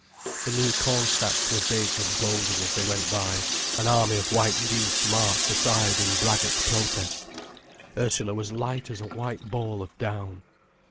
The new corn stacks were big and golden as they went by, an army of white geese marched aside in braggart protest. Ursula was light as a white ball of down.